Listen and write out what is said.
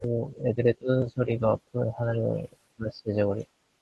그리고 애들의 떠드는 소리가 푸른 하늘가에서 재재 거리는 종달새 소리같이 그렇게 명랑하게 들리었다.